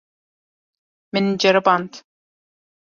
Min ceriband.